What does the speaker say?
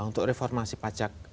untuk reformasi pajak